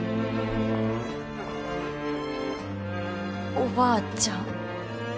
おばあちゃん。